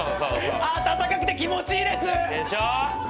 あたたかくて気持ちいいです。でしょう？